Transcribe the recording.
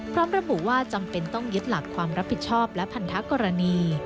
พร้อมระบุว่าจำเป็นต้องยึดหลักความรับผิดชอบและพันธกรณี